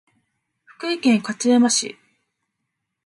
福井県勝山市